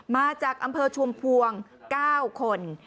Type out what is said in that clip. มาจากอำเภอชุมพวง๙คน